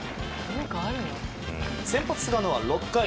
先発、菅野は６回。